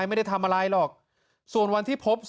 พ่อไปฟังหน่อยครับ